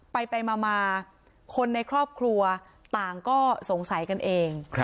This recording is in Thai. ไปมาคนในครอบครัวต่างก็สงสัยกันเอง